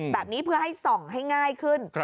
แบบนี้เพื่อให้ส่องให้ง่ายขึ้น